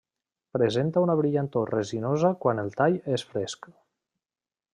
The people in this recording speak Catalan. Presenta una brillantor resinosa quan el tall és fresc.